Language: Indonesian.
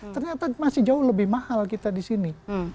ternyata masih jauh lebih mahal kita di sini